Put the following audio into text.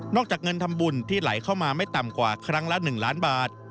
จากเงินทำบุญที่ไหลเข้ามาไม่ต่ำกว่าครั้งละ๑ล้านบาท